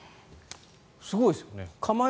すごいですよね。